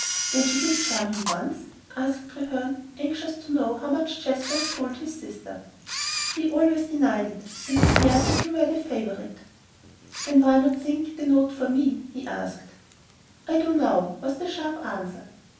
Then she did charm him once?" asked Treherne, anxious to know how much Jasper had told his sister. "He always denied it, and declared that you were the favorite." "Then why not think the note for me?" he asked. "I do now" was the sharp answer.